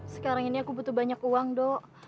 sekarang ini aku butuh banyak uang dok